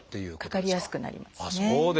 かかりやすくなりますね。